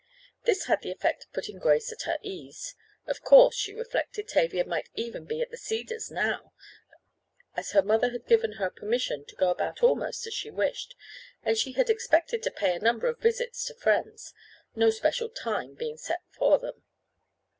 This had the effect of putting Grace at her ease. Of course, she reflected, Tavia might even be at the Cedars now, as her mother had given her permission to go about almost as she wished, and she had expected to pay a number of visits to friends, no special time being set for them.